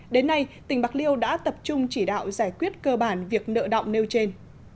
đến nay tỉnh bạc liêu đã tập trung chỉ đạo giải quyết cơ bản việc nợ động nêu trên